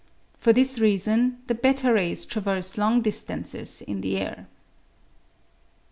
For this reason, the /3 ra3'S traverse long distances in the air.